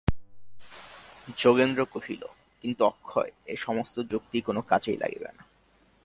যোগেন্দ্র কহিল, কিন্তু অক্ষয়, এ-সমস্ত যুক্তি কোনো কাজেই লাগিবে না।